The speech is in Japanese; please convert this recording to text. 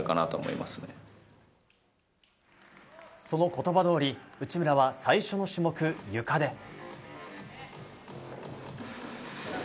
その言葉どおり内村は最初の種目、ゆかで。